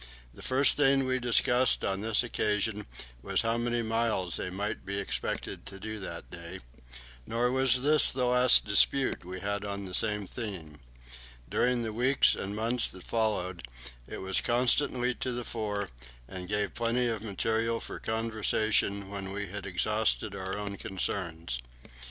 The first thing we discussed on this occasion was how many miles they might be expected to do that day: nor was this the last dispute we had on the same theme. During the weeks and months that followed, it was constantly to the fore, and gave plenty of material for conversation when we had exhausted our own concerns.